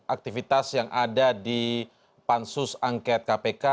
aktivitas yang ada di pansus angket kpk